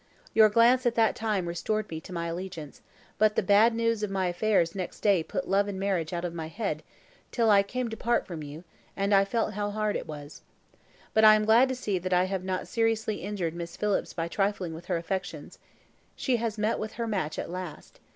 Your glance at that time restored me to my allegiance; but the bad news of my affairs next day put love and marriage out of my head, till I came to part from you, and I felt how hard it was. But I am glad to see that I have not seriously injured Miss Phillips by trifling with her affections. She has met with her match at last.